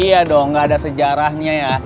iya dong gak ada sejarahnya ya